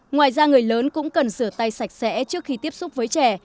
ngoài ra người lớn cũng cần sửa tay sạch sẽ trước khi tiếp xúc với trẻ